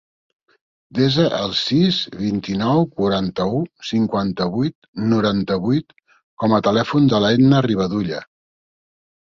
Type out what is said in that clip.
Desa el sis, vint-i-nou, quaranta-u, cinquanta-vuit, noranta-vuit com a telèfon de l'Etna Rivadulla.